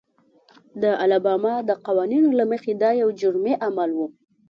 د الاباما د قوانینو له مخې دا یو جرمي عمل و.